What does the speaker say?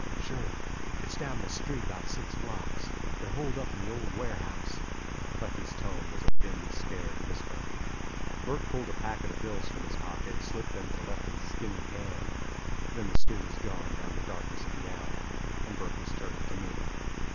"Sure, it's down the street about six blocks. They're holed up in the old warehouse." Lefty's tone was a thin, scared whisper. Burke pulled a packet of bills from his pocket, slipped them to Lefty's skinny hand. Then the stool was gone down the darkness of the alley, and Burke was turning to me.